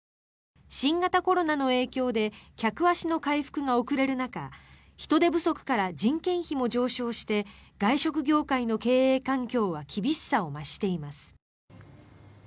新型コロナの影響で客足の回復が遅れる中人手不足から人件費も上昇して外食業界の経営環境は厳しさを増しています。